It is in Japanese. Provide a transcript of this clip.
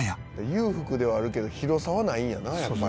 「裕福ではあるけど広さはないんやなやっぱり」